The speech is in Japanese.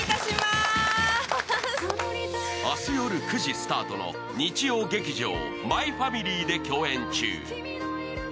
明日夜９時スタートの日曜劇場「マイファミリー」で共演中。